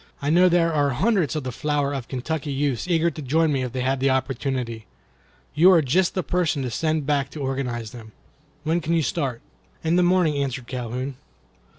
I know there are hundreds of the flower of Kentucky youths eager to join me if they had the opportunity. You are just the person to send back to organize them. When can you start?" "In the morning," answered Calhoun.